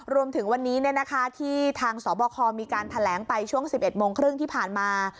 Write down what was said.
รวมถึงวันนี้ที่ทางสบคมีการแถลงไปช่วง๑๑โมงครึ่งที่ผ่านมา